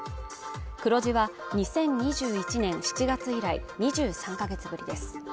黒字は２０２１年７月以来２３か月ぶりです。